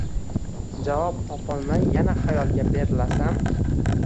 Javob topolmay yana xayolga berilasan